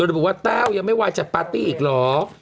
ทุกคนบอกว่าแต้วยังไม่ไหวจัดปาร์ตี้อีกหรอก